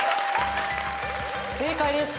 正解です。